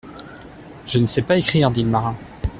Je ne sais pas écrire, dit le marin.